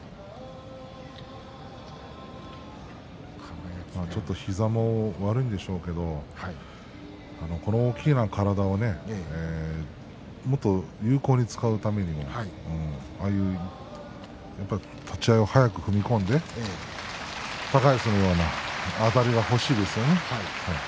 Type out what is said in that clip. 輝は膝も悪いんでしょうけどもこの大きな体を有効に使うためにも立ち合い早く踏み込んで高安のようなあたりが欲しいですね。